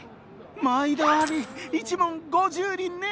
毎度あり１文５０厘ね。